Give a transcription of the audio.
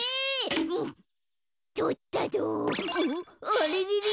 あれれれ。